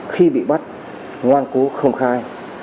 khi bị bắt ngoan cố không khai